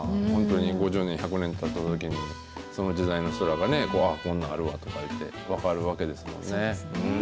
本当に５０年、１００年たったときに、その時代の人らがね、こんなんあるわとか言って、分かるわけですからね。